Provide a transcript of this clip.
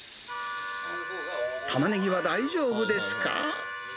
タマネギは大丈夫ですか。